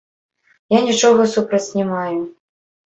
Я нічога супраць не маю.